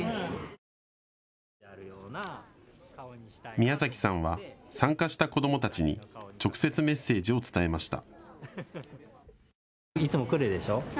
ミヤザキさんは参加した子どもたちに直接、メッセージを伝えました。